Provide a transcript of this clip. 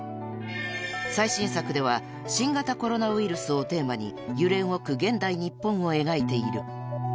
［最新作では新型コロナウイルスをテーマに揺れ動く現代日本を描いている］